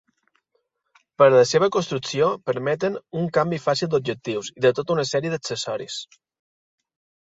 Per la seva construcció permeten un canvi fàcil d'objectius i de tota una sèrie d'accessoris.